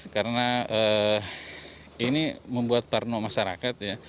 karena ini membuat parno masyarakat